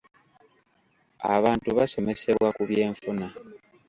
Abantu basomesebwa ku by'enfuna.